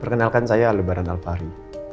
perkenalkan saya aldebaran al fahri